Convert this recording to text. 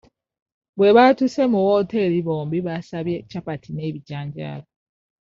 Bwe baatuuse mu wooteri bombi baasabye capati n'ebijanjaalo.